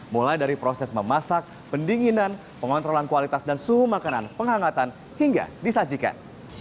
mulai dari proses memasak pendinginan pengontrolan kualitas dan suhu makanan penghangatan hingga disajikan